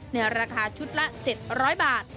ในราคาชุดละ๗๐๐บาท